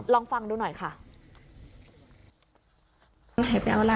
ลองฟังดูหน่อยค่ะ